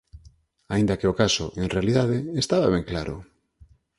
Aínda que o caso, en realidade, estaba ben claro.